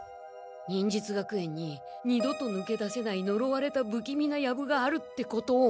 忍術学園に二度と抜け出せないのろわれたぶきみなヤブがあるってことを。